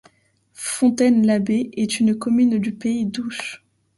Fontaine-l'Abbé est une commune du pays d'Ouche.